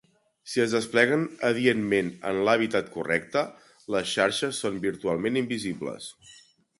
Si es despleguen adientment en l'hàbitat correcte, les xarxes són virtualment invisibles.